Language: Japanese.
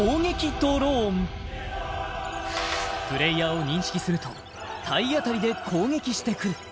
ドローンプレイヤーを認識すると体当たりで攻撃してくる